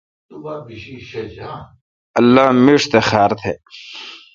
اللہ میݭ تہ خار تہ۔